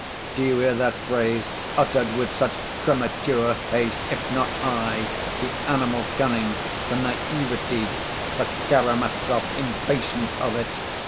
Do you hear that phrase uttered with such premature haste—'if not I'—the animal cunning, the naïveté, the Karamazov impatience of it?